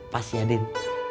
pas ya din